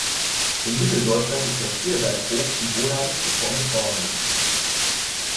In Mitteldeutschland ist der Vierseithof die wohlhabendste Form des Bauernhofes.